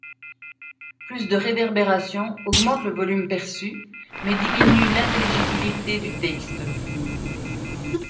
Plus de réverbération augmente le volume perçu, mais diminue l'intelligibilité du texte.